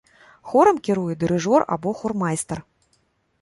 Хорам кіруе дырыжор або хормайстар.